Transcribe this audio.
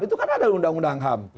itu kan ada undang undang ham